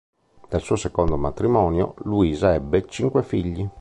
Dal suo secondo matrimonio, Luisa ebbe cinque figli.